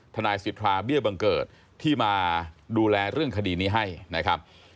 ทนายสิทธาเบี้ยบังเกิดที่มาดูแลเรื่องคดีนี้ให้นะครับ